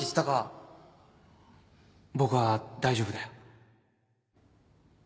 僕は大丈夫だよ